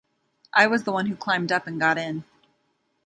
I was the one who climbed up and got in.